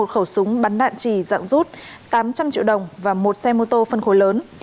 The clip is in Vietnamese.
một khẩu súng bắn đạn trì dạng rút tám trăm linh triệu đồng và một xe mô tô phân khối lớn